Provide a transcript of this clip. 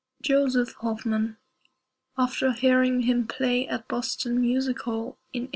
_ JOSEF HOFMANN. (_After hearing him play at Boston Music Hall in 1888.